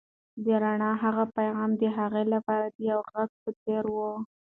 د رڼا هغه پیغام د هغه لپاره د یو غږ په څېر و.